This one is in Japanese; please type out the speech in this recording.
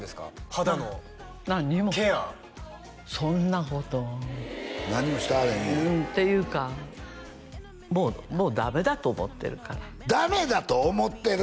肌のケア何にもそんなこと何もしてはれへんねやっていうかもうダメだと思ってるから「ダメだと思ってる」？